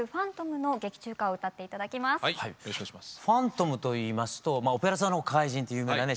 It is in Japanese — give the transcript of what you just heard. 「ファントム」といいますと「オペラ座の怪人」っていう有名なね